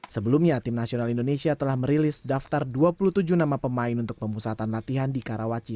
sebelumnya tim nasional indonesia telah merilis daftar dua puluh tujuh nama pemain untuk pemusatan latihan di karawaci